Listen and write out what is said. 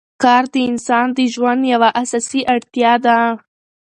کار د انسان د ژوند یوه اساسي اړتیا ده